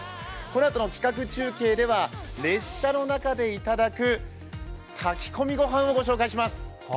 このあとの企画中継では、列車の中でいただく炊き込みご飯をご紹介します。